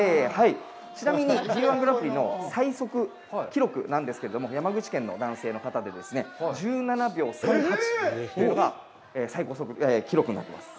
ちなみに、Ｚ−１グランプリの最速記録なんですけれども、山口県の男性の方で、１７秒３８というのが最高記録になってます。